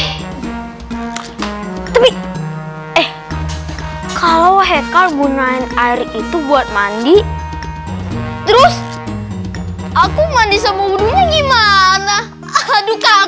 hai kalau hekal gunain air itu buat mandi terus aku mandi semudah gimana aduh kakak